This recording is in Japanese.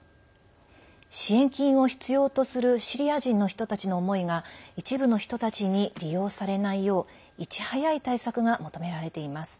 支援金を必要とするシリア人の人たちの思いが一部の人たちに利用されないよういち早い対策が求められています。